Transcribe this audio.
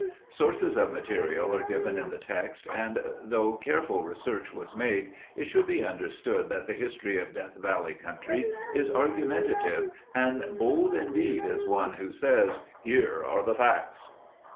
Sources of material are given in the text and though careful research was made, it should be understood that the history of Death Valley country is argumentative and bold indeed is one who says, "Here are the facts."